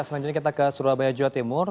selanjutnya kita ke surabaya jawa timur